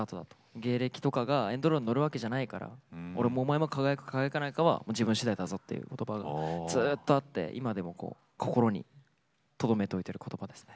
芸歴とかがエンドロールに載るわけじゃないから俺もお前も輝くか輝かないかは自分しだいだぞっていう言葉がずっとあって今でも心にとどめておいてる言葉ですね。